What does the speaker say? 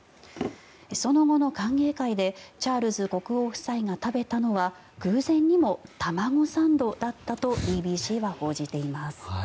その後の歓迎会でチャールズ国王夫妻が食べたのは偶然にも卵サンドだったとＢＢＣは報じています。